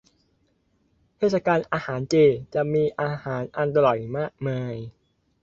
เทศกาลอาหารเจ จะมีอาหารอร่อยมากมาย